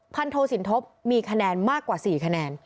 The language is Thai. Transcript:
โทสินทบมีคะแนนมากกว่า๔คะแนน